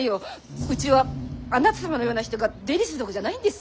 うちはあなた様のような人が出入りするとこじゃないんですよ。